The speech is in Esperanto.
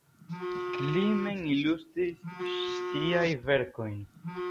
Li mem ilustris siajn verkojn.